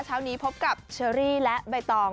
เช้านี้พบกับเชอรี่และใบตอง